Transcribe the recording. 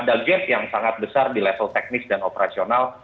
dan keputusan yang sangat besar di level teknis dan operasional